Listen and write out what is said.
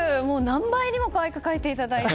何倍にも可愛く描いていただいて。